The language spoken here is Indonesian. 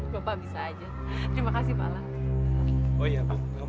bapak bisa saja terima kasih pak alam